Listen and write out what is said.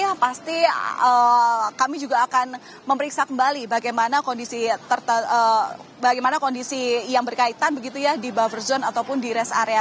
yang pasti kami juga akan memeriksa kembali bagaimana kondisi bagaimana kondisi yang berkaitan begitu ya di buffer zone ataupun di rest area